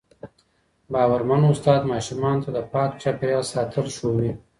باورمن استاد ماشومانو ته د پاک چاپېریال ساتل ښووي.